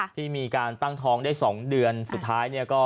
ที่มีการตั้งท้องใน๒เดือนสุดท้าย